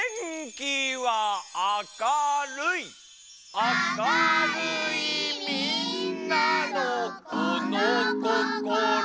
明るいみんなのこのこころ。